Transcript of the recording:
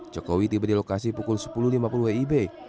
jokowi tiba di lokasi pukul sepuluh lima puluh wib